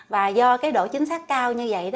và do độ chính xác cao như vậy